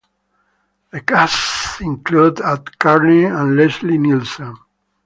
The cast included Art Carney and Leslie Nielsen.